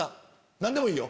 何でもいいよ